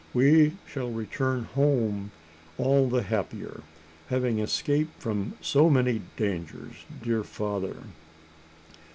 We shall return home all the happier, having escaped from so many dangers, dear father!"